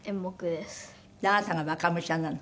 あなたが若武者なの？